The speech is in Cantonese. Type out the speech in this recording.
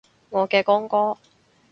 我嘅光哥